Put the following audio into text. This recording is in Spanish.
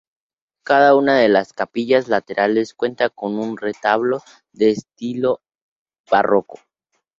Cada una de las capillas laterales cuenta con un retablo de estilo barroco.